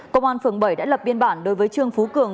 công an phường bảy đã lập biên bản đối với trương phú cường